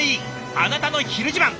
「あなたのひる自慢」。